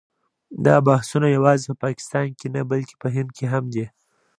دا بحثونه یوازې په پاکستان کې نه بلکې په هند کې هم دي.